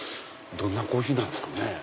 どんなコーヒーなんですかね？